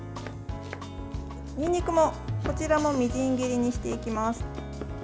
にんにくも、こちらもみじん切りにしていきます。